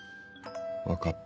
分かった。